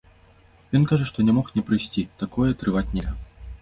Ён кажа, што не мог не прыйсці, такое трываць нельга.